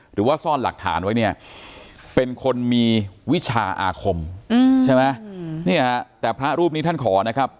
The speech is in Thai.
หรือว่าซ่อนหลักฐานไว้เนี่ยเป็นคนมีวิชาอาคมใช่ไหมเนี่ยแต่พระรูปนี้ท่านขอนะครับ